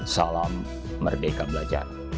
salam merdeka belajar